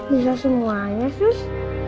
bisa semuanya sus